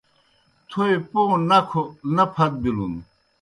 تھوئے پوں نِکھوْ نہ پھت بِلُن۔